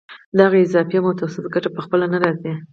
دغه اضافي او متوسطه ګټه په خپله نه راځي